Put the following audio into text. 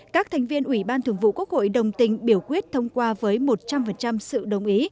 các thành viên ủy ban thường vụ quốc hội đồng tình biểu quyết thông qua với một trăm linh sự đồng ý